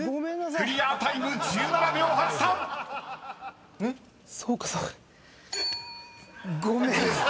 ［クリアタイム１７秒８３］ごめんなさい。